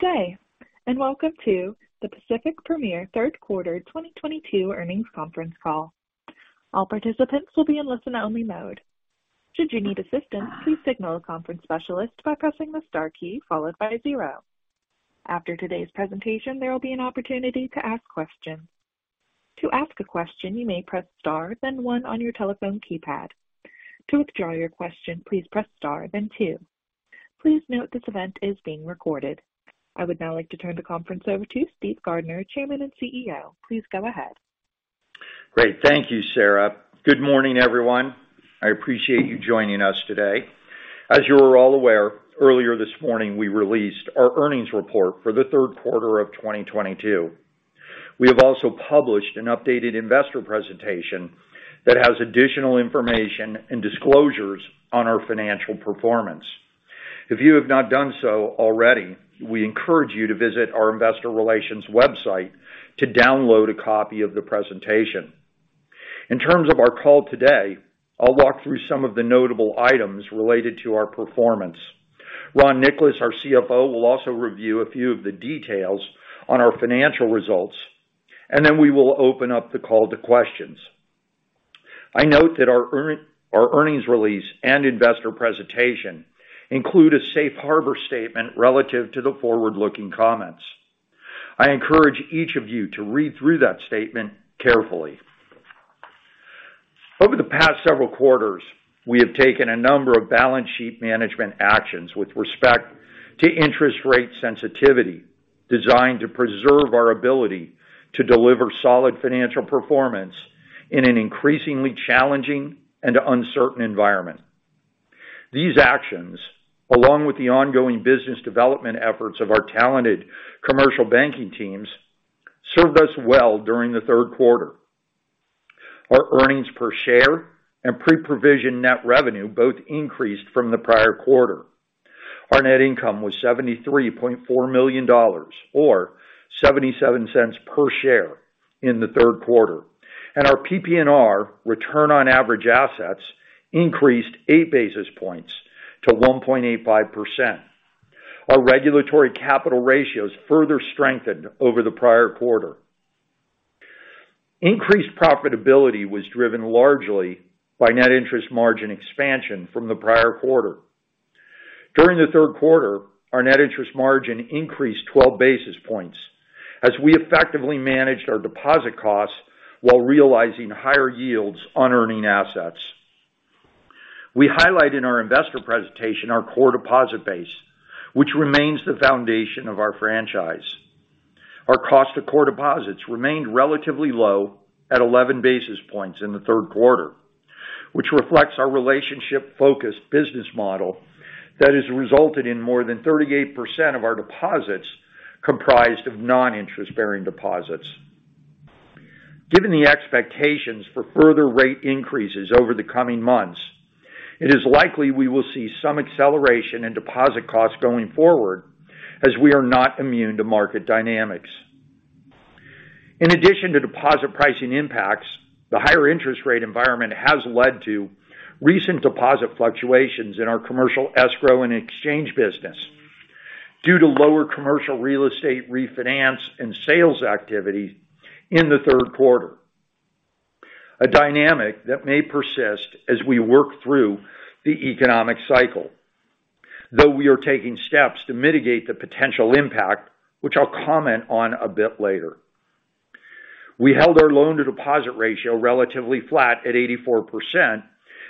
Good day, and welcome to the Pacific Premier third quarter 2022 earnings conference call. All participants will be in listen-only mode. Should you need assistance, please signal a conference specialist by pressing the star key followed by zero. After today's presentation, there will be an opportunity to ask questions. To ask a question, you may press star then one on your telephone keypad. To withdraw your question, please press star then two. Please note this event is being recorded. I would now like to turn the conference over to Steven R. Gardner, Chairman and CEO. Please go ahead. Great. Thank you, Sarah. Good morning, everyone. I appreciate you joining us today. As you are all aware, earlier this morning, we released our earnings report for the third quarter of 2022. We have also published an updated investor presentation that has additional information and disclosures on our financial performance. If you have not done so already, we encourage you to visit our investor relations website to download a copy of the presentation. In terms of our call today, I'll walk through some of the notable items related to our performance. Ron Nicolas, our CFO, will also review a few of the details on our financial results, and then we will open up the call to questions. I note that our earnings release and investor presentation include a safe harbor statement relative to the forward-looking comments. I encourage each of you to read through that statement carefully. Over the past several quarters, we have taken a number of balance sheet management actions with respect to interest rate sensitivity, designed to preserve our ability to deliver solid financial performance in an increasingly challenging and uncertain environment. These actions, along with the ongoing business development efforts of our talented commercial banking teams, served us well during the third quarter. Our earnings per share and pre-provision net revenue both increased from the prior quarter. Our net income was $73.4 million or $0.77 per share in the third quarter. Our PPNR return on average assets increased 8 basis points to 1.85%. Our regulatory capital ratios further strengthened over the prior quarter. Increased profitability was driven largely by net interest margin expansion from the prior quarter. During the third quarter, our net interest margin increased 12 basis points as we effectively managed our deposit costs while realizing higher yields on earning assets. We highlight in our investor presentation our core deposit base, which remains the foundation of our franchise. Our cost of core deposits remained relatively low at 11 basis points in the third quarter, which reflects our relationship focused business model that has resulted in more than 38% of our deposits comprised of non-interest-bearing deposits. Given the expectations for further rate increases over the coming months, it is likely we will see some acceleration in deposit costs going forward as we are not immune to market dynamics. In addition to deposit pricing impacts, the higher interest rate environment has led to recent deposit fluctuations in our Commerce Escrow and exchange business due to lower commercial real estate refinance and sales activity in the third quarter. A dynamic that may persist as we work through the economic cycle. Though we are taking steps to mitigate the potential impact, which I'll comment on a bit later. We held our loan-to-deposit ratio relatively flat at 84%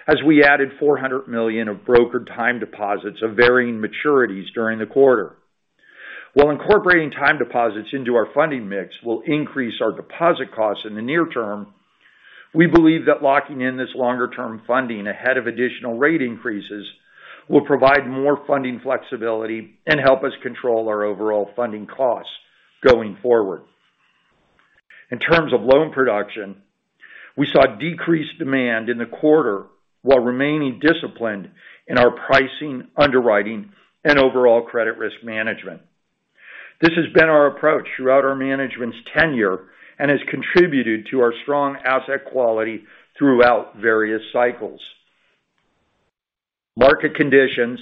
as we added $400 million of brokered time deposits of varying maturities during the quarter. While incorporating time deposits into our funding mix will increase our deposit costs in the near term, we believe that locking in this longer-term funding ahead of additional rate increases will provide more funding flexibility and help us control our overall funding costs going forward. In terms of loan production, we saw decreased demand in the quarter while remaining disciplined in our pricing, underwriting, and overall credit risk management. This has been our approach throughout our management's tenure and has contributed to our strong asset quality throughout various cycles. Market conditions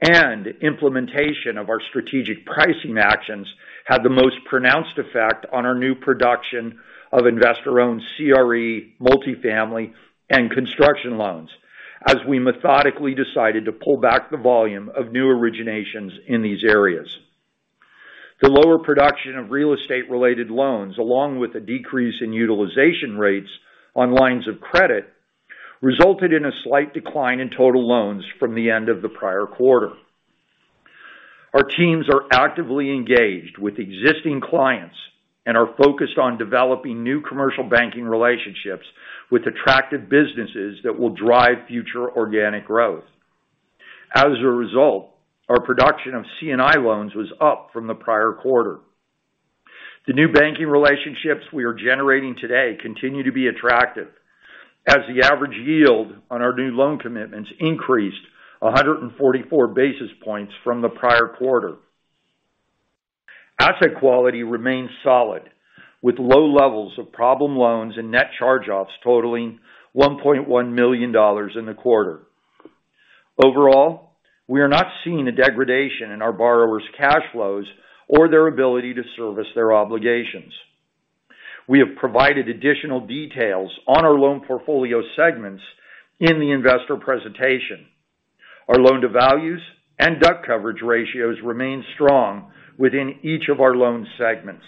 and implementation of our strategic pricing actions had the most pronounced effect on our new production of investor-owned CRE, multifamily, and construction loans as we methodically decided to pull back the volume of new originations in these areas. The lower production of real estate related loans, along with a decrease in utilization rates on lines of credit, resulted in a slight decline in total loans from the end of the prior quarter. Our teams are actively engaged with existing clients and are focused on developing new commercial banking relationships with attractive businesses that will drive future organic growth. As a result, our production of C&I loans was up from the prior quarter. The new banking relationships we are generating today continue to be attractive as the average yield on our new loan commitments increased 144 basis points from the prior quarter. Asset quality remains solid, with low levels of problem loans and net charge-offs totaling $1.1 million in the quarter. Overall, we are not seeing a degradation in our borrowers' cash flows or their ability to service their obligations. We have provided additional details on our loan portfolio segments in the investor presentation. Our loan to values and debt coverage ratios remain strong within each of our loan segments.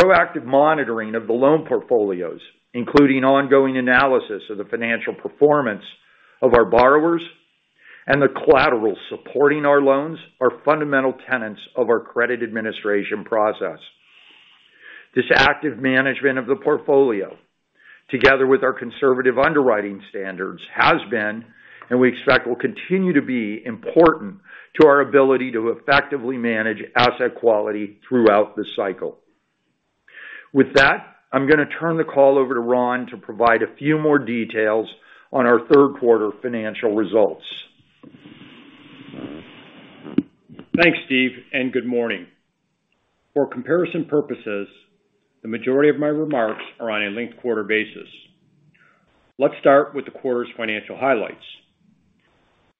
Proactive monitoring of the loan portfolios, including ongoing analysis of the financial performance of our borrowers and the collateral supporting our loans, are fundamental tenets of our credit administration process. This active management of the portfolio, together with our conservative underwriting standards, has been, and we expect will continue to be, important to our ability to effectively manage asset quality throughout this cycle. With that, I'm gonna turn the call over to Ron to provide a few more details on our third quarter financial results. Thanks, Steve, and good morning. For comparison purposes, the majority of my remarks are on a linked quarter basis. Let's start with the quarter's financial highlights.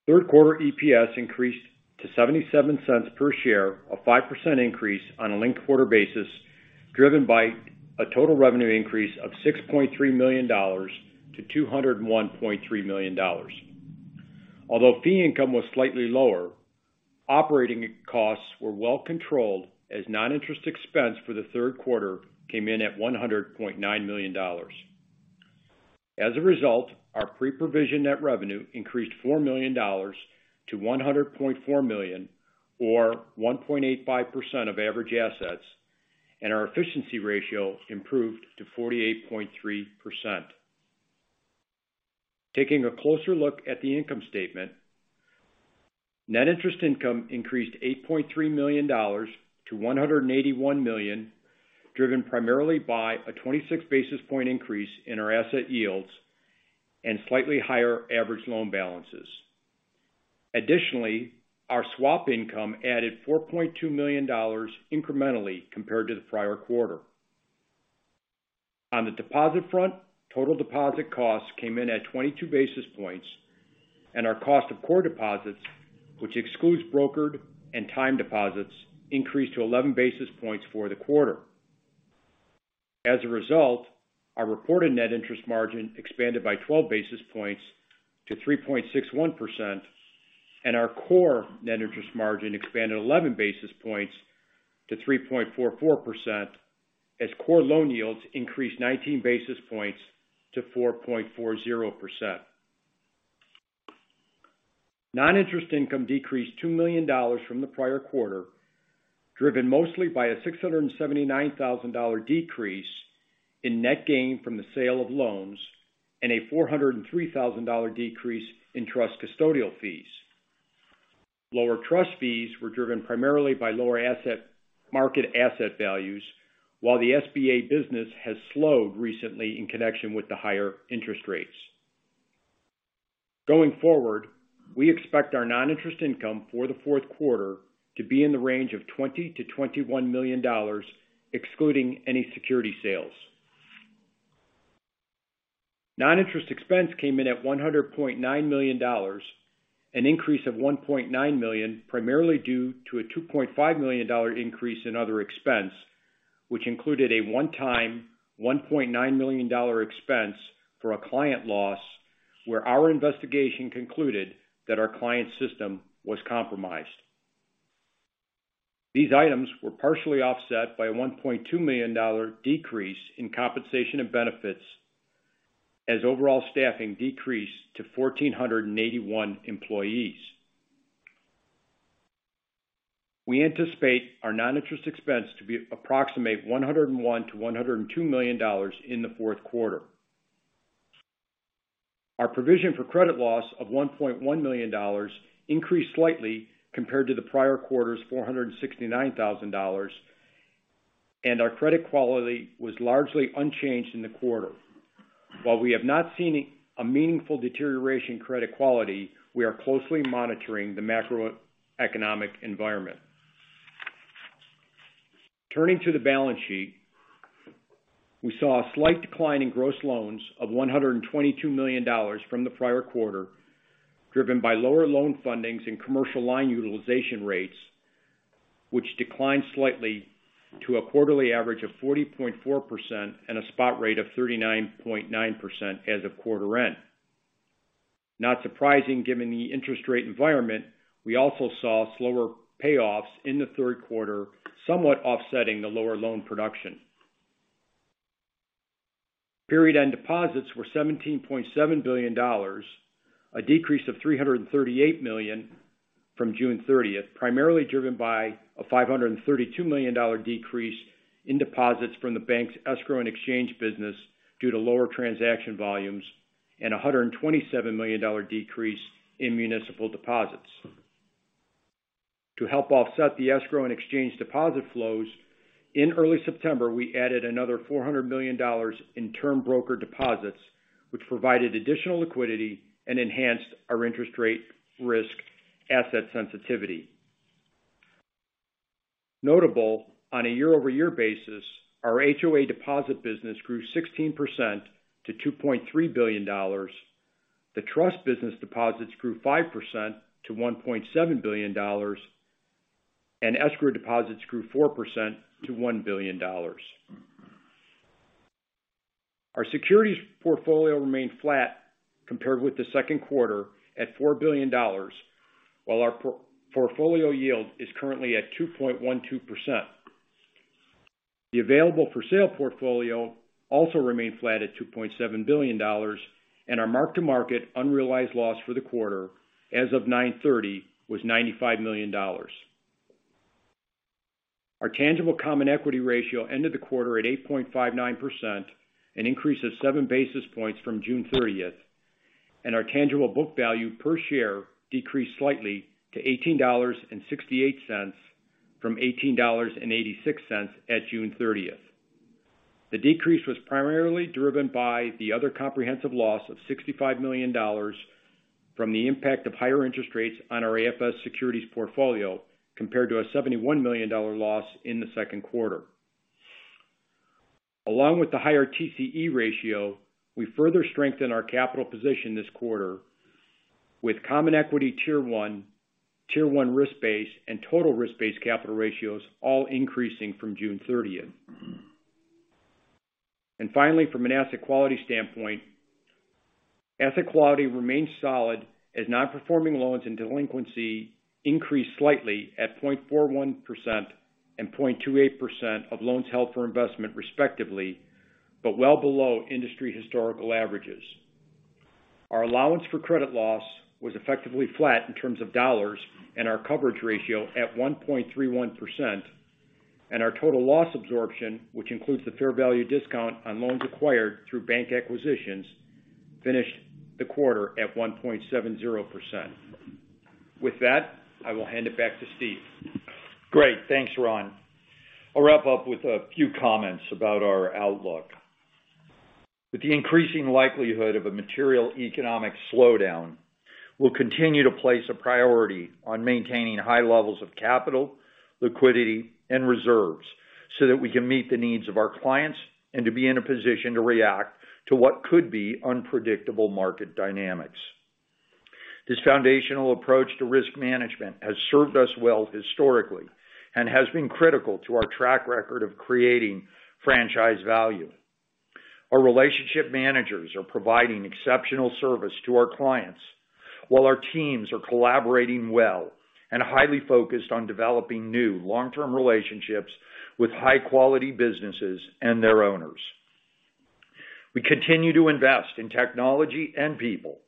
Third quarter EPS increased to $0.77 per share, a 5% increase on a linked quarter basis, driven by a total revenue increase of $6.3 million to $201.3 million. Although fee income was slightly lower, operating costs were well controlled as non-interest expense for the third quarter came in at $100.9 million. As a result, our pre-provision net revenue increased $4 million to $100.4 million, or 1.85% of average assets, and our efficiency ratio improved to 48.3%. Taking a closer look at the income statement, net interest income increased $8.3 million to $181 million, driven primarily by a 26 basis point increase in our asset yields and slightly higher average loan balances. Additionally, our swap income added $4.2 million incrementally compared to the prior quarter. On the deposit front, total deposit costs came in at 22 basis points, and our cost of core deposits, which excludes brokered and time deposits, increased to 11 basis points for the quarter. As a result, our reported net interest margin expanded by 12 basis points to 3.61%, and our core net interest margin expanded 11 basis points to 3.44% as core loan yields increased 19 basis points to 4.40%. Non-interest income decreased $2 million from the prior quarter, driven mostly by a $679,000 decrease in net gain from the sale of loans and a $403,000 decrease in trust custodial fees. Lower trust fees were driven primarily by lower asset market values, while the SBA business has slowed recently in connection with the higher interest rates. Going forward, we expect our non-interest income for the fourth quarter to be in the range of $20-$21 million, excluding any security sales. Non-interest expense came in at $100.9 million, an increase of $1.9 million, primarily due to a $2.5 million increase in other expense, which included a one-time $1.9 million expense for a client loss where our investigation concluded that our client's system was compromised. These items were partially offset by a $1.2 million decrease in compensation and benefits as overall staffing decreased to 1,481 employees. We anticipate our non-interest expense to be approximately $101 million-$102 million in the fourth quarter. Our provision for credit loss of $1.1 million increased slightly compared to the prior quarter's $469,000, and our credit quality was largely unchanged in the quarter. While we have not seen a meaningful deterioration in credit quality, we are closely monitoring the macroeconomic environment. Turning to the balance sheet, we saw a slight decline in gross loans of $122 million from the prior quarter, driven by lower loan fundings and commercial line utilization rates, which declined slightly to a quarterly average of 40.4% and a spot rate of 39.9% as of quarter end. Not surprising, given the interest rate environment, we also saw slower payoffs in the third quarter, somewhat offsetting the lower loan production. Period-end deposits were $17.7 billion, a decrease of $338 million from June 30, primarily driven by a $532 million decrease in deposits from the bank's escrow and exchange business due to lower transaction volumes and a $127 million decrease in municipal deposits. To help offset the escrow and exchange deposit flows, in early September, we added another $400 million in term broker deposits, which provided additional liquidity and enhanced our interest rate risk asset sensitivity. Notable on a year-over-year basis, our HOA deposit business grew 16% to $2.3 billion. The trust business deposits grew 5% to $1.7 billion, and escrow deposits grew 4% to $1 billion. Our securities portfolio remained flat compared with the second quarter at $4 billion, while our portfolio yield is currently at 2.12%. The available for sale portfolio also remained flat at $2.7 billion and our mark-to-market unrealized loss for the quarter as of 9/30 was $95 million. Our tangible common equity ratio ended the quarter at 8.59%, an increase of 7 basis points from June 30th. Our tangible book value per share decreased slightly to $18.68 from $18.86 at June 30. The decrease was primarily driven by the other comprehensive loss of $65 million from the impact of higher interest rates on our AFS securities portfolio compared to a $71 million loss in the second quarter. Along with the higher TCE ratio, we further strengthened our capital position this quarter with Common Equity Tier 1, Tier 1 risk-based and total risk-based capital ratios all increasing from June 30th. Finally, from an asset quality standpoint, asset quality remains solid as nonperforming loans and delinquency increased slightly at 0.41% and 0.28% of loans held for investment respectively, but well below industry historical averages. Our allowance for credit loss was effectively flat in terms of dollars and our coverage ratio at 1.31%. Our total loss absorption, which includes the fair value discount on loans acquired through bank acquisitions, finished the quarter at 1.70%. With that, I will hand it back to Steve. Great. Thanks, Ron. I'll wrap up with a few comments about our outlook. With the increasing likelihood of a material economic slowdown, we'll continue to place a priority on maintaining high levels of capital, liquidity, and reserves so that we can meet the needs of our clients and to be in a position to react to what could be unpredictable market dynamics. This foundational approach to risk management has served us well historically and has been critical to our track record of creating franchise value. Our relationship managers are providing exceptional service to our clients while our teams are collaborating well and highly focused on developing new long-term relationships with high-quality businesses and their owners. We continue to invest in technology and people,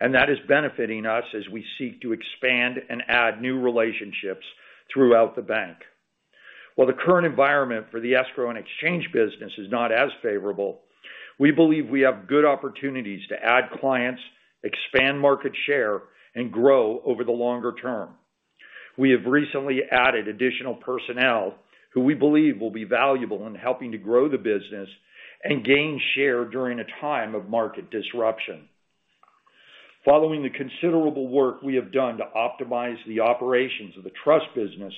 and that is benefiting us as we seek to expand and add new relationships throughout the bank. While the current environment for the escrow and exchange business is not as favorable, we believe we have good opportunities to add clients, expand market share and grow over the longer term. We have recently added additional personnel who we believe will be valuable in helping to grow the business and gain share during a time of market disruption. Following the considerable work we have done to optimize the operations of the trust business,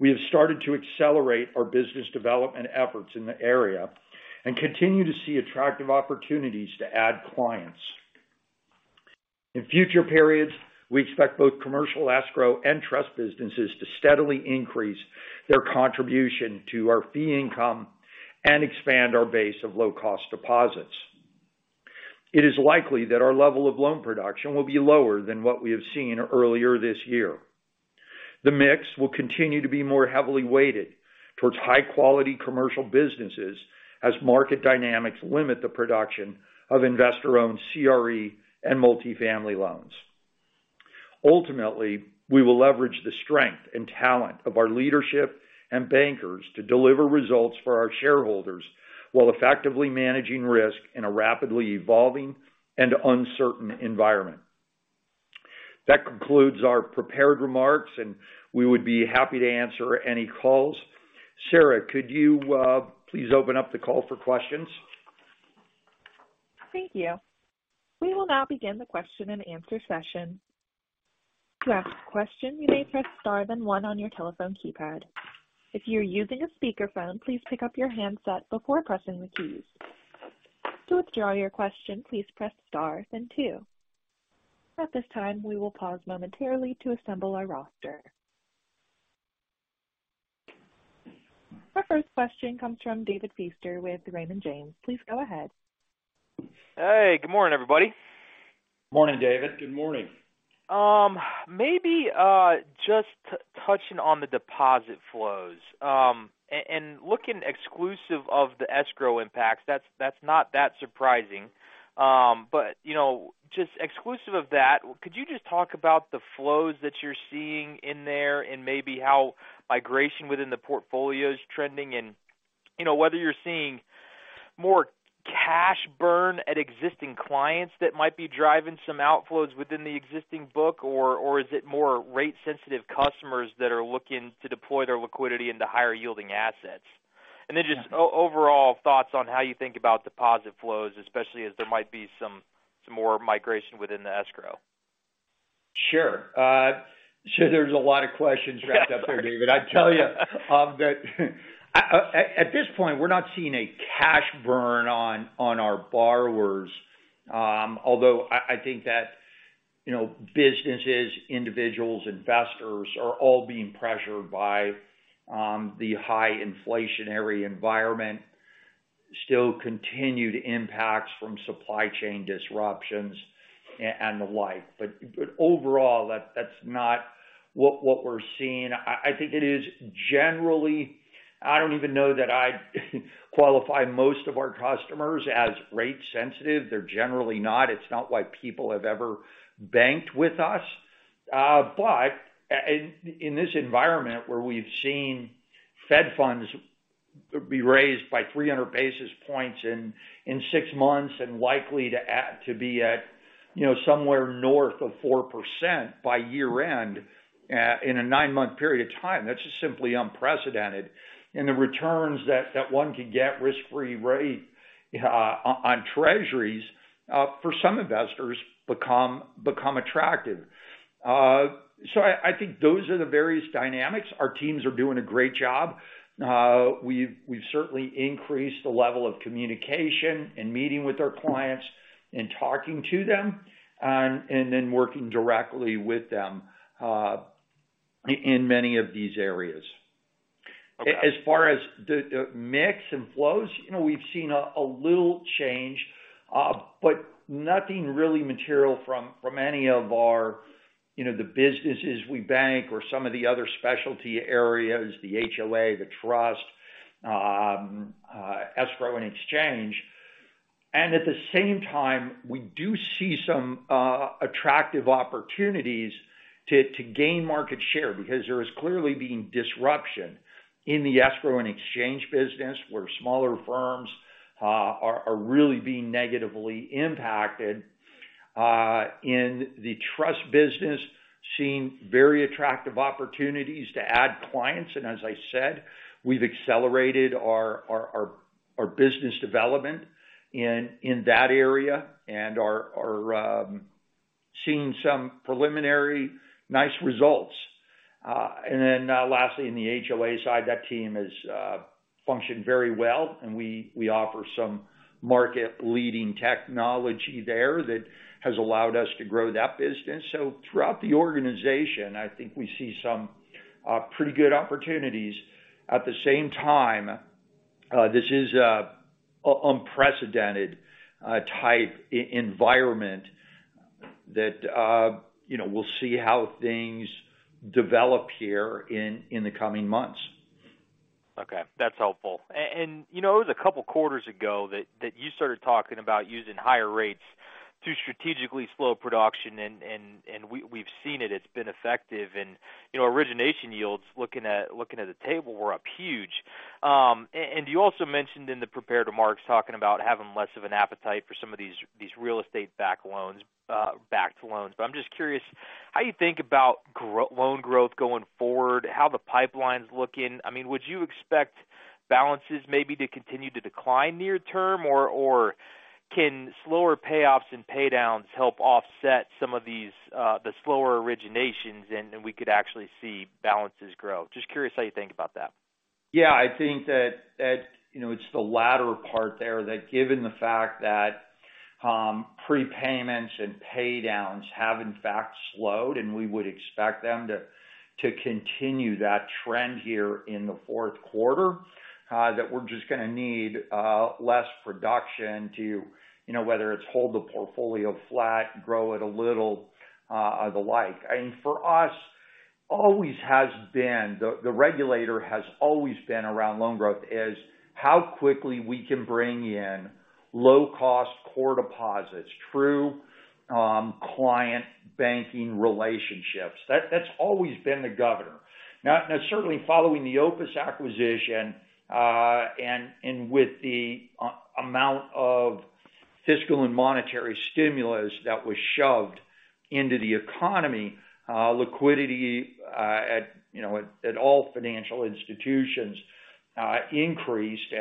we have started to accelerate our business development efforts in the area and continue to see attractive opportunities to add clients. In future periods, we expect both commercial escrow and trust businesses to steadily increase their contribution to our fee income and expand our base of low-cost deposits. It is likely that our level of loan production will be lower than what we have seen earlier this year. The mix will continue to be more heavily weighted towards high-quality commercial businesses as market dynamics limit the production of investor-owned CRE and multifamily loans. Ultimately, we will leverage the strength and talent of our leadership and bankers to deliver results for our shareholders while effectively managing risk in a rapidly evolving and uncertain environment. That concludes our prepared remarks, and we would be happy to answer any calls. Sarah, could you please open up the call for questions? Thank you. We will now begin the question-and-answer session. To ask a question, you may press star then one on your telephone keypad. If you're using a speaker phone, please pick up your handset before pressing the keys. To withdraw your question, please press star, then two. At this time, we will pause momentarily to assemble our roster. Our first question comes from David Feaster with Raymond James. Please go ahead. Hey, good morning, everybody. Morning, David. Good morning. Maybe just touching on the deposit flows. Looking exclusive of the escrow impacts, that's not that surprising. You know, just exclusive of that, could you just talk about the flows that you're seeing in there and maybe how migration within the portfolio is trending? You know, whether you're seeing more cash burn at existing clients that might be driving some outflows within the existing book, or is it more rate sensitive customers that are looking to deploy their liquidity into higher yielding assets? Then just overall thoughts on how you think about deposit flows, especially as there might be some more migration within the escrow. Sure. There's a lot of questions wrapped up there, David. I tell you, that at this point, we're not seeing a cash burn on our borrowers. Although I think that, you know, businesses, individuals, investors are all being pressured by the high inflationary environment, still continued impacts from supply chain disruptions and the like. Overall, that's not what we're seeing. I think it is generally. I don't even know that I'd qualify most of our customers as rate sensitive. They're generally not. It's not why people have ever banked with us. In this environment where we've seen Fed funds be raised by 300 basis points in six months and likely to be at, you know, somewhere north of 4% by year-end, in a nine-month period of time. That's just simply unprecedented. The returns that one can get risk-free rate on Treasuries for some investors become attractive. I think those are the various dynamics. Our teams are doing a great job. We've certainly increased the level of communication in meeting with our clients and talking to them, and then working directly with them in many of these areas. Okay. As far as the mix and flows, you know, we've seen a little change, but nothing really material from any of our, you know, the businesses we bank or some of the other specialty areas, the HOA, the trust, escrow and exchange. At the same time, we do see some attractive opportunities to gain market share because there has clearly been disruption in the escrow and exchange business, where smaller firms are really being negatively impacted. In the trust business, seeing very attractive opportunities to add clients. As I said, we've accelerated our business development in that area and are seeing some preliminary nice results. Lastly, in the HOA side, that team has functioned very well, and we offer some market-leading technology there that has allowed us to grow that business. Throughout the organization, I think we see some pretty good opportunities. At the same time, this is an unprecedented type of environment that, you know, we'll see how things develop here in the coming months. Okay, that's helpful. You know, it was a couple quarters ago that you started talking about using higher rates to strategically slow production, and we've seen it's been effective. You know, origination yields, looking at the table, were up huge. And you also mentioned in the prepared remarks talking about having less of an appetite for some of these real estate-backed loans. I'm just curious how you think about loan growth going forward, how the pipeline's looking. I mean, would you expect balances maybe to continue to decline near term? Or can slower payoffs and pay downs help offset some of these the slower originations, and then we could actually see balances grow? Just curious how you think about that. Yeah. I think that, you know, it's the latter part there, that given the fact that prepayments and pay downs have in fact slowed, and we would expect them to continue that trend here in the fourth quarter. That we're just gonna need less production to, you know, whether it's hold the portfolio flat, grow it a little, or the like. I mean, for us, always has been the regulator has always been around loan growth as how quickly we can bring in low-cost core deposits through client banking relationships. That's always been the governor. Now certainly following the Opus acquisition, and with the amount of fiscal and monetary stimulus that was shoved into the economy, liquidity at, you know, at all financial institutions increased.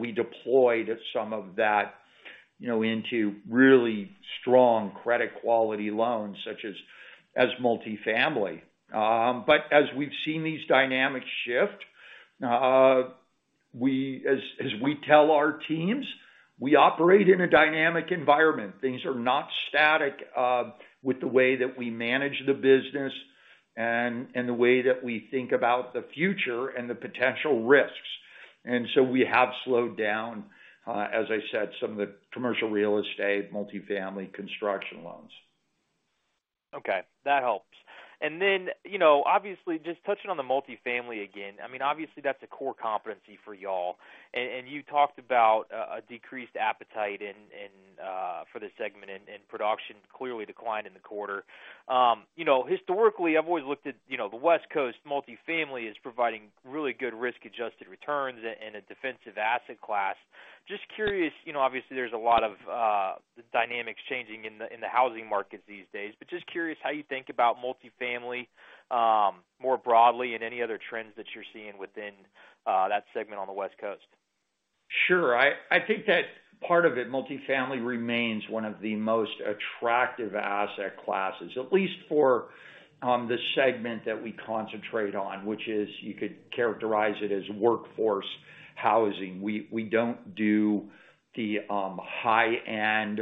We deployed some of that, you know, into really strong credit quality loans such as multifamily. As we've seen these dynamics shift, as we tell our teams, we operate in a dynamic environment. Things are not static with the way that we manage the business and the way that we think about the future and the potential risks. We have slowed down, as I said, some of the commercial real estate, multifamily construction loans. Okay. That helps. You know, obviously just touching on the multifamily again. I mean, obviously that's a core competency for y'all. You talked about a decreased appetite for this segment and production clearly declined in the quarter. You know, historically I've always looked at, you know, the West Coast multifamily as providing really good risk-adjusted returns and a defensive asset class. Just curious, you know, obviously there's a lot of dynamics changing in the housing markets these days. Just curious how you think about multifamily more broadly and any other trends that you're seeing within that segment on the West Coast. Sure. I think that part of it, multifamily remains one of the most attractive asset classes, at least for the segment that we concentrate on, which is you could characterize it as workforce housing. We don't do the high-end,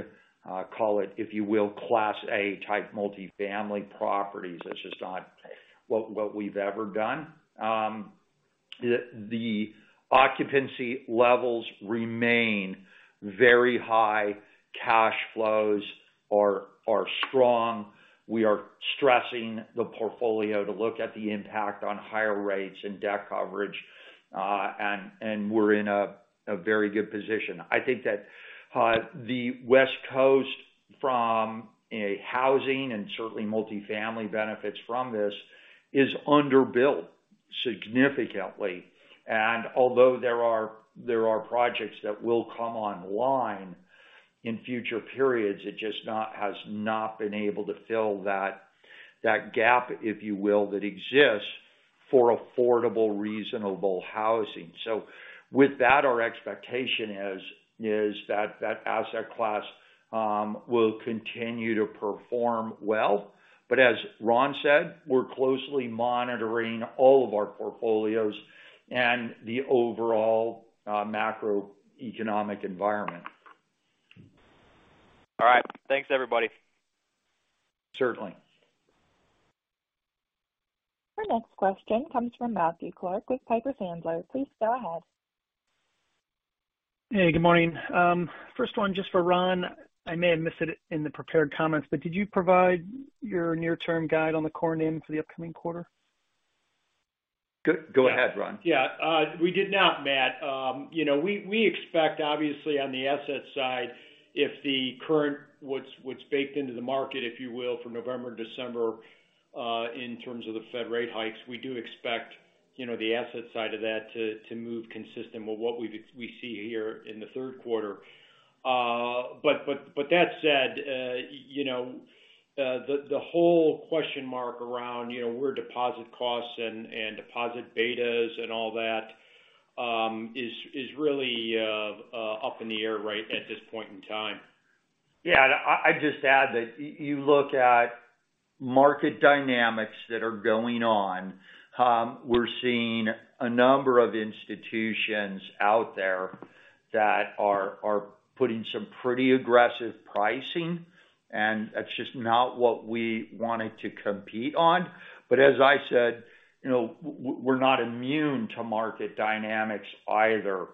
call it, if you will, class A type multifamily properties. That's just not what we've ever done. The occupancy levels remain very high. Cash flows are strong. We are stressing the portfolio to look at the impact on higher rates and debt coverage, and we're in a very good position. I think that the West Coast from a housing and certainly multifamily benefits from this is underbuilt significantly. Although there are projects that will come online in future periods, it has not been able to fill that gap, if you will, that exists for affordable, reasonable housing. With that, our expectation is that that asset class will continue to perform well. As Ron said, we're closely monitoring all of our portfolios and the overall macroeconomic environment. All right. Thanks, everybody. Certainly. Our next question comes from Matthew Clark with Piper Sandler. Please go ahead. Hey, good morning. First one just for Ron. I may have missed it in the prepared comments, but did you provide your near-term guide on the core NIM for the upcoming quarter? Go ahead, Ron. Yeah. We did not, Matt. You know, we expect obviously on the asset side, if the current what's baked into the market, if you will, for November, December, in terms of the Fed rate hikes, we do expect, you know, the asset side of that to move consistent with what we see here in the third quarter. That said, you know, the whole question mark around, you know, where deposit costs and deposit betas and all that is really up in the air right at this point in time. Yeah. I'd just add that you look at market dynamics that are going on. We're seeing a number of institutions out there that are putting some pretty aggressive pricing, and that's just not what we wanted to compete on. As I said, you know, we're not immune to market dynamics either.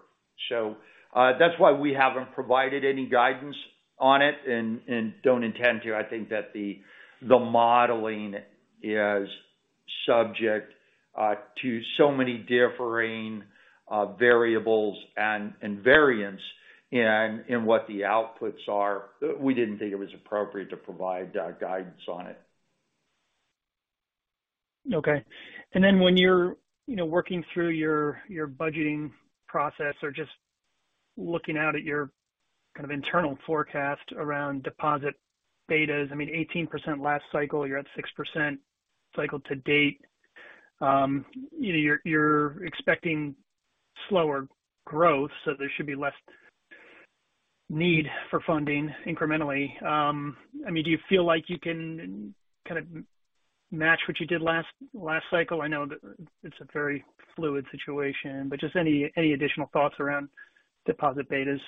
That's why we haven't provided any guidance on it and don't intend to. I think that the modeling is subject to so many differing variables and variance in what the outputs are. We didn't think it was appropriate to provide guidance on it. Okay. Then when you're, you know, working through your budgeting process or just looking out at your kind of internal forecast around deposit betas, I mean 18% last cycle, you're at 6% cycle to date. You know, you're expecting slower growth, so there should be less need for funding incrementally. I mean, do you feel like you can kind of match what you did last cycle? I know that it's a very fluid situation, but just any additional thoughts around deposit betas?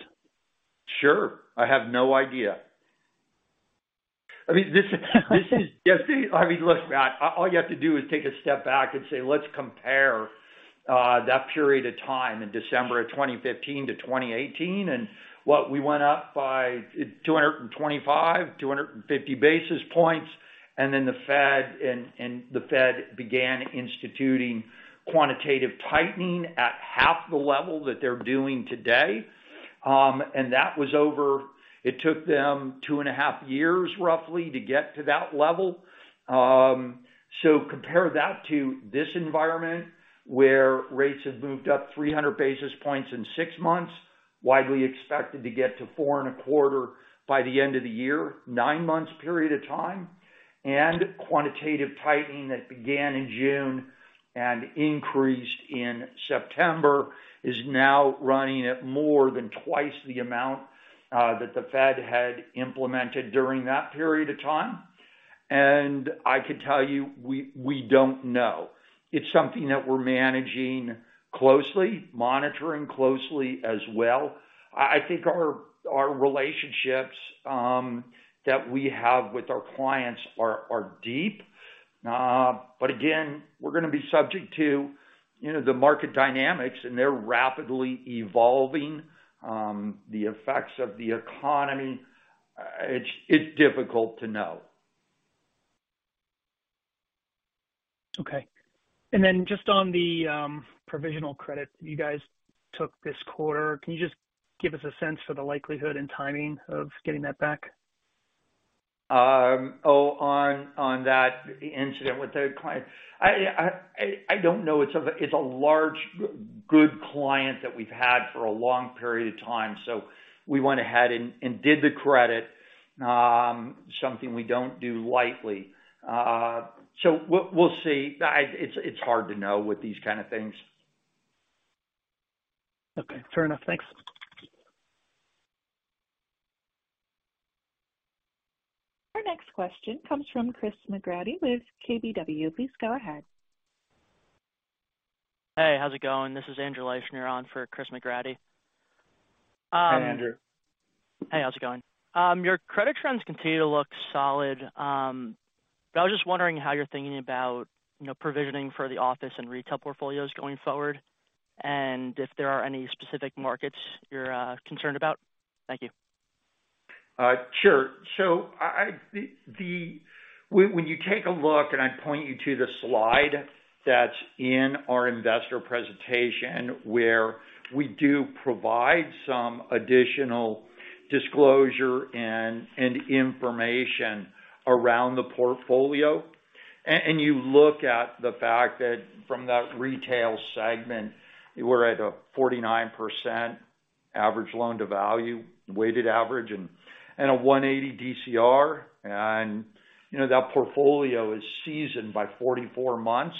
Sure. I have no idea. I mean, this is. You see? I mean, look, Matt, all you have to do is take a step back and say, let's compare that period of time in December of 2015 to 2018. What we went up by 225-250 basis points. The Fed began instituting quantitative tightening at half the level that they're doing today. It took them 2.5 years roughly to get to that level. Compare that to this environment where rates have moved up 300 basis points in six months, widely expected to get to 4.25 by the end of the year, nine months period of time. Quantitative tightening that began in June and increased in September is now running at more than twice the amount that the Fed had implemented during that period of time. I could tell you, we don't know. It's something that we're managing closely, monitoring closely as well. I think our relationships that we have with our clients are deep. But again, we're gonna be subject to, you know, the market dynamics, and they're rapidly evolving, the effects of the economy. It's difficult to know. Okay. Just on the provisional credit you guys took this quarter, can you just give us a sense for the likelihood and timing of getting that back? On that incident with the client. I don't know. It's a large, good client that we've had for a long period of time, so we went ahead and did the credit, something we don't do lightly. We'll see. It's hard to know with these kind of things. Okay, fair enough. Thanks. Our next question comes from Chris McGratty with KBW. Please go ahead. Hey, how's it going? This is Andrew Liesch on for Chris McGratty. Hi, Andrew. Hey, how's it going? Your credit trends continue to look solid, but I was just wondering how you're thinking about, you know, provisioning for the office and retail portfolios going forward, and if there are any specific markets you're concerned about. Thank you. Sure. When you take a look, and I point you to the slide that's in our investor presentation, where we do provide some additional disclosure and information around the portfolio. You look at the fact that from that retail segment, we're at a 49% average loan-to-value, weighted average, and a 1.80 DCR. You know, that portfolio is seasoned by 44 months.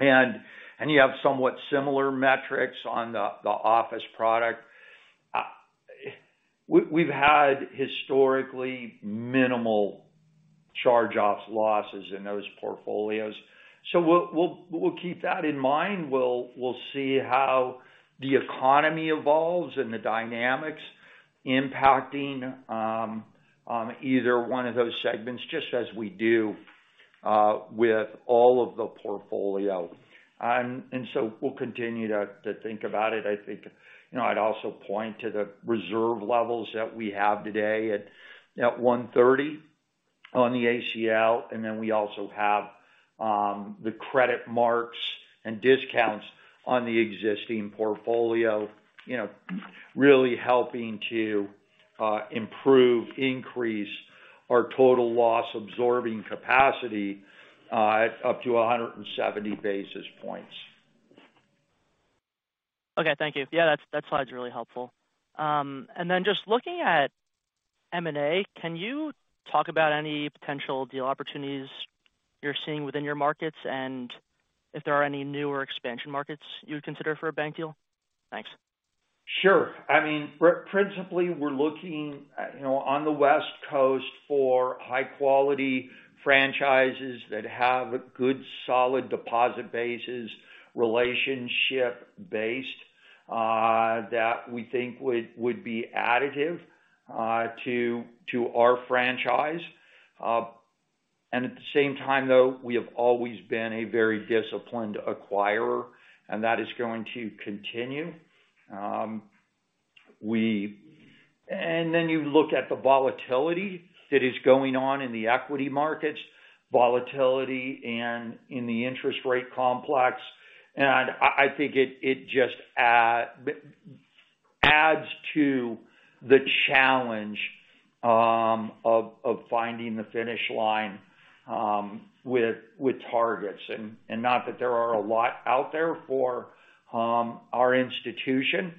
You have somewhat similar metrics on the office product. We've had historically minimal charge-off losses in those portfolios. We'll keep that in mind. We'll see how the economy evolves and the dynamics impacting either one of those segments, just as we do with all of the portfolio. We'll continue to think about it. I think, you know, I'd also point to the reserve levels that we have today at 130 on the ACL, and then we also have the credit marks and discounts on the existing portfolio, you know, really helping to improve, increase our total loss-absorbing capacity at up to 170 basis points. Okay. Thank you. Yeah, that slide's really helpful. Just looking at M&A, can you talk about any potential deal opportunities you're seeing within your markets, and if there are any newer expansion markets you would consider for a bank deal? Thanks. Sure. I mean, principally, we're looking on the West Coast for high-quality franchises that have a good, solid deposit bases, relationship based, that we think would be additive to our franchise. At the same time, though, we have always been a very disciplined acquirer, and that is going to continue. Then you look at the volatility that is going on in the equity markets, volatility and in the interest rate complex. I think it just adds to the challenge of finding the finish line with targets. Not that there are a lot out there for our institution.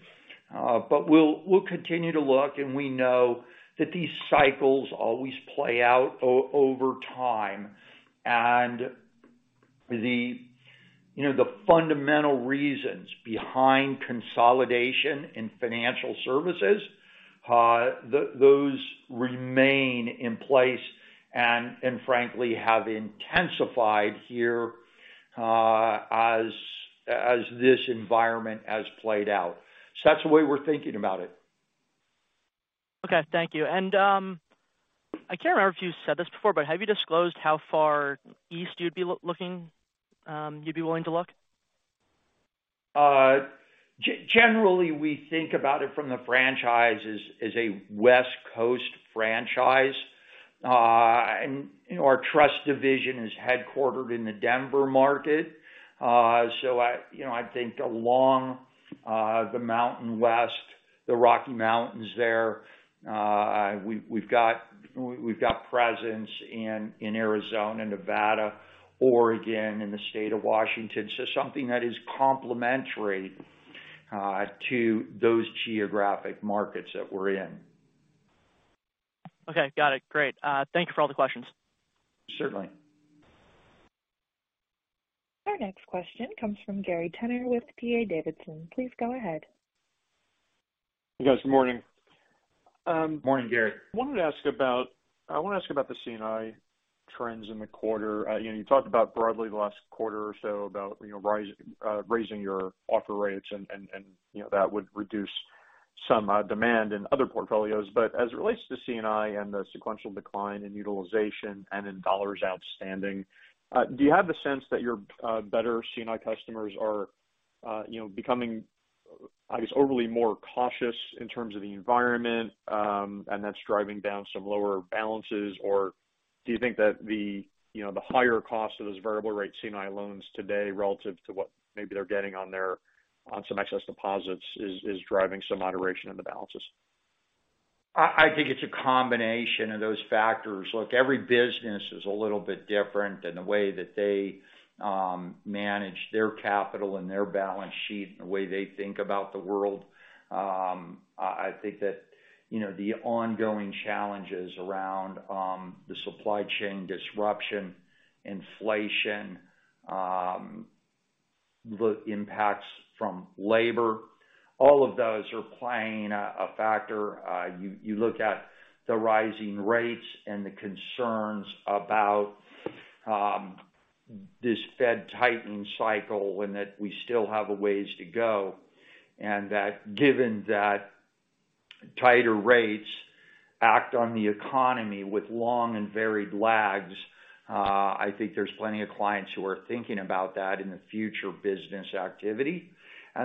But we'll continue to look, and we know that these cycles always play out over time. The you know the fundamental reasons behind consolidation in financial services, those remain in place and frankly have intensified here, as this environment has played out. That's the way we're thinking about it. Okay. Thank you. I can't remember if you said this before, but have you disclosed how far east you'd be willing to look? Generally, we think about it from the franchise as a West Coast franchise. You know, our trust division is headquartered in the Denver market. You know, I think along the Mountain West, the Rocky Mountains there, we've got presence in Arizona, Nevada, Oregon, and the State of Washington. Something that is complementary to those geographic markets that we're in. Okay. Got it. Great. Thank you for all the questions. Certainly. Our next question comes from Gary Tenner with D.A. Davidson. Please go ahead. Hey, guys. Good morning. Morning, Gary. I want to ask about the C&I trends in the quarter. You know, you talked about broadly the last quarter or so about, you know, raising your offer rates and you know that would reduce some demand in other portfolios. But as it relates to C&I and the sequential decline in utilization and in dollars outstanding, do you have the sense that your better C&I customers are you know becoming I guess overly more cautious in terms of the environment and that's driving down some lower balances? Or do you think that the you know the higher cost of those variable rate C&I loans today relative to what maybe they're getting on their some excess deposits is driving some moderation in the balances? I think it's a combination of those factors. Look, every business is a little bit different in the way that they manage their capital and their balance sheet and the way they think about the world. I think that, you know, the ongoing challenges around the supply chain disruption, inflation, the impacts from labor. All of those are playing a factor. You look at the rising rates and the concerns about this Fed tightening cycle and that we still have a ways to go. That given that tighter rates act on the economy with long and varied lags, I think there's plenty of clients who are thinking about that in the future business activity.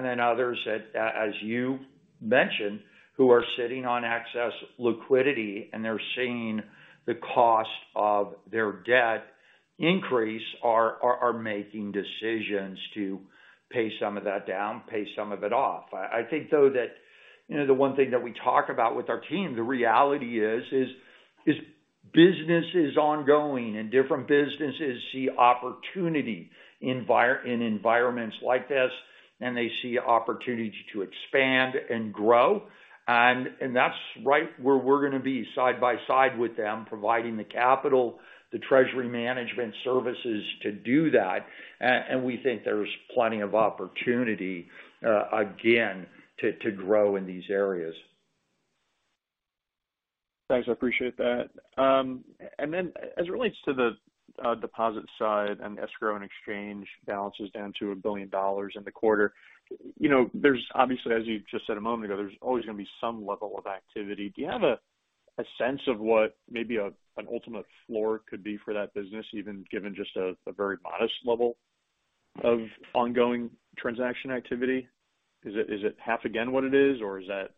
Then others that as you mentioned, who are sitting on excess liquidity, and they're seeing the cost of their debt increase are making decisions to pay some of that down, pay some of it off. I think though that, you know, the one thing that we talk about with our team, the reality is business is ongoing and different businesses see opportunity in environments like this, and they see opportunity to expand and grow. That's right where we're gonna be side by side with them, providing the capital, the Treasury Management services to do that. We think there's plenty of opportunity again to grow in these areas. Thanks. I appreciate that. As it relates to the deposit side and escrow and exchange balances down to $1 billion in the quarter, you know, there's obviously, as you just said a moment ago, there's always gonna be some level of activity. Do you have a sense of what maybe an ultimate floor could be for that business, even given just a very modest level of ongoing transaction activity? Is it half again what it is, or is that,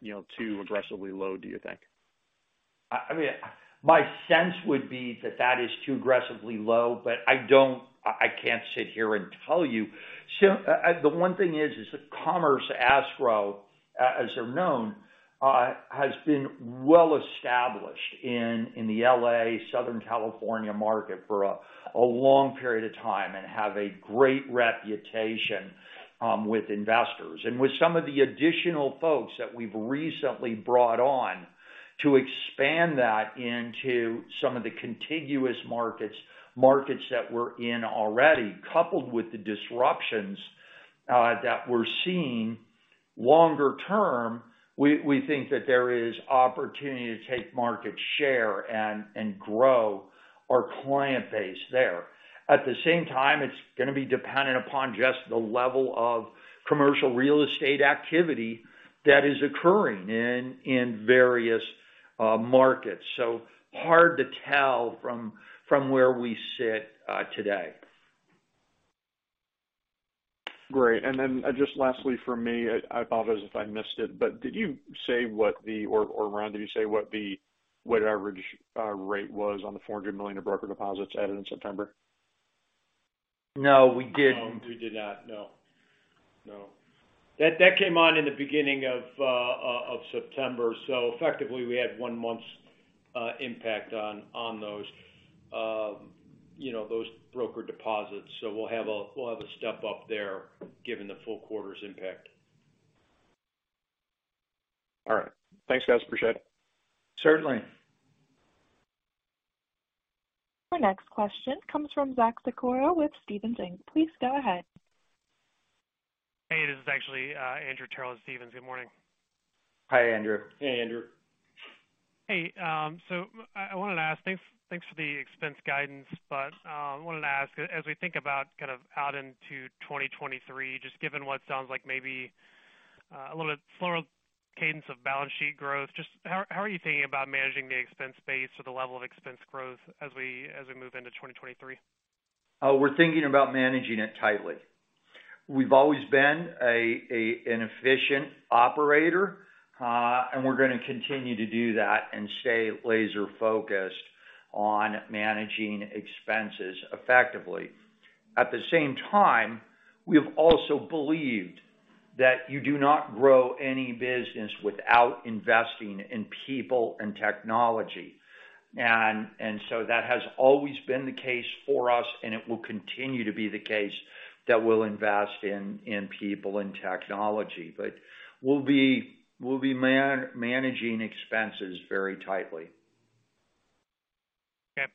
you know, too aggressively low, do you think? I mean, my sense would be that is too aggressively low, but I don't I can't sit here and tell you. The one thing is that Commerce Escrow, as they're known, has been well established in the L.A., Southern California market for a long period of time and have a great reputation with investors. With some of the additional folks that we've recently brought on to expand that into some of the contiguous markets that we're in already, coupled with the disruptions that we're seeing longer term, we think that there is opportunity to take market share and grow our client base there. At the same time, it's gonna be dependent upon just the level of commercial real estate activity that is occurring in various markets. Hard to tell from where we sit today. Great. Just lastly from me, I apologize if I missed it, but did you say, Ron, what the average rate was on the $400 million of broker deposits added in September? No, we didn't. No, we did not. That came on in the beginning of September. Effectively, we had one month's impact on those, you know, those brokered deposits. We'll have a step up there given the full quarter's impact. All right. Thanks, guys. Appreciate it. Certainly. Our next question comes from Zach Sikora with Stephens Inc. Please go ahead. Hey, this is actually, Andrew Terrell at Stephens. Good morning. Hi, Andrew. Hey, Andrew. Hey, so I wanted to ask, thanks for the expense guidance. Wanted to ask as we think about kind of out into 2023, just given what sounds like maybe a little bit slower cadence of balance sheet growth, just how are you thinking about managing the expense base or the level of expense growth as we move into 2023? We're thinking about managing it tightly. We've always been an efficient operator, and we're gonna continue to do that and stay laser focused on managing expenses effectively. At the same time, we have also believed that you do not grow any business without investing in people and technology. That has always been the case for us, and it will continue to be the case that we'll invest in people and technology. We'll be managing expenses very tightly. Okay.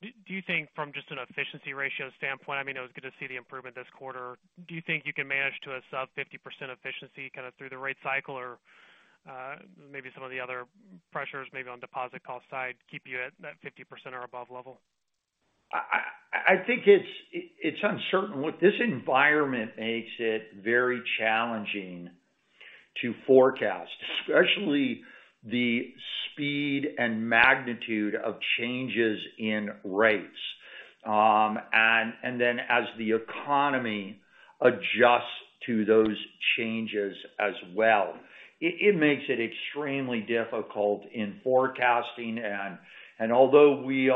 Do you think from just an efficiency ratio standpoint, I mean, it was good to see the improvement this quarter. Do you think you can manage to a sub-50% efficiency kind of through the rate cycle or, maybe some of the other pressures maybe on deposit cost side keep you at that 50% or above level? I think it's uncertain. What this environment makes it very challenging to forecast, especially the speed and magnitude of changes in rates. Then as the economy adjusts to those changes as well. It makes it extremely difficult in forecasting. Although we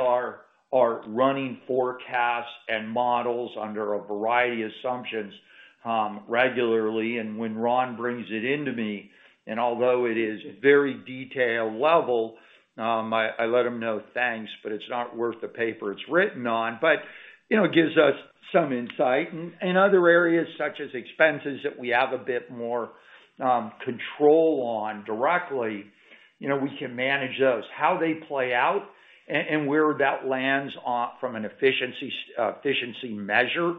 are running forecasts and models under a variety of assumptions, regularly, and when Ron brings it into me, and although it is very detailed level, I let him know, thanks, but it's not worth the paper it's written on. You know, it gives us some insight. In other areas such as expenses that we have a bit more control on directly, you know, we can manage those. How they play out and where that lands on from an efficiency measure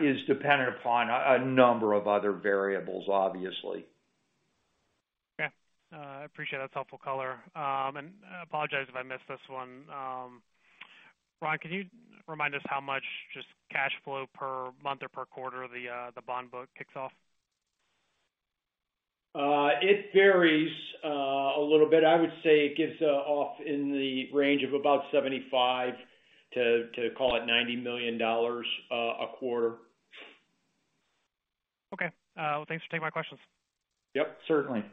is dependent upon a number of other variables, obviously. Okay. I appreciate it. That's helpful color. I apologize if I missed this one. Ron, can you remind us how much just cash flow per month or per quarter the bond book kicks off? It varies a little bit. I would say it gives off in the range of about $75 million-$90 million a quarter. Okay. Well, thanks for taking my questions. Yep, certainly.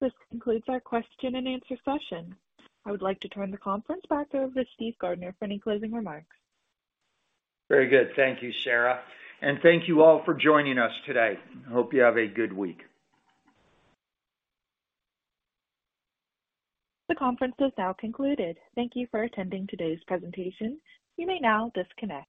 This concludes our question and answer session. I would like to turn the conference back over to Steve Gardner for any closing remarks. Very good. Thank you, Sarah. Thank you all for joining us today. I hope you have a good week. The conference is now concluded. Thank you for attending today's presentation. You may now disconnect.